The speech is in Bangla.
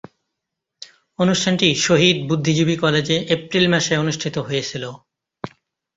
অনুষ্ঠানটি শহীদ বুদ্ধিজীবী কলেজে এপ্রিল মাসে অনুষ্ঠিত হয়েছিলো।